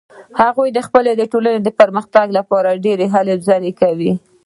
هغه د خپلې ټولنې د پرمختګ لپاره ډیرې هلې ځلې کوي